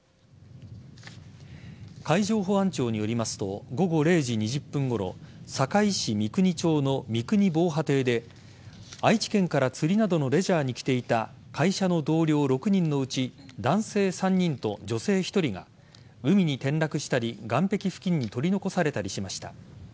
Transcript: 海上保安庁によりますと午後０時２０分ごろ坂井市三国町の三国防波堤で愛知県から釣りなどのレジャーに来ていた会社の同僚６人のうち男性３人と女性１人が海に転落したり岸壁付近に取り残されたりしました。